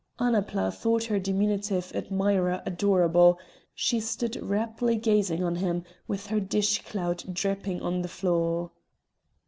Annapla thought her diminutive admirer adorable; she stood raptly gazing on him, with her dish clout dripping on the floor.